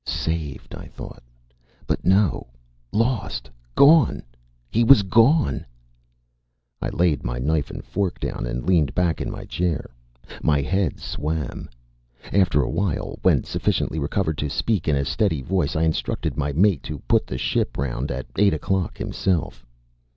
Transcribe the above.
"Saved," I thought. "But, no! Lost! Gone! He was gone!" I laid my knife and fork down and leaned back in my chair. My head swam. After a while, when sufficiently recovered to speak in a steady voice, I instructed my mate to put the ship round at eight o'clock himself.